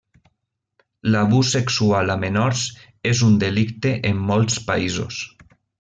L'abús sexual a menors és un delicte en molts països.